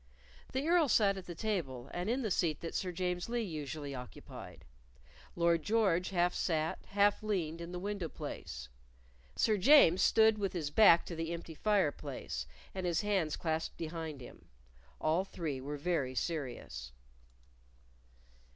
The Earl sat at the table, and in the seat that Sir James Lee usually occupied; Lord George half sat, half leaned in the window place. Sir James stood with his back to the empty fireplace, and his hands clasped behind him. All three were very serious.